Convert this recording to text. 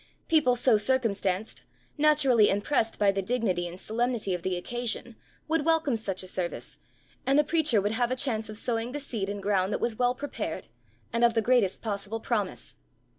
People so circumstanced, naturally impressed by the dignity and solemnity of the occasion, would welcome such a service, and the preacher would have a chance of sowing the seed in ground that was well prepared, and of the greatest possible promise.